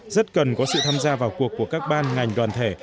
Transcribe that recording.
rất cần có sự tham gia vào cuộc của các ban ngành đoàn thể